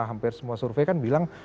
hampir semua survei kan bilang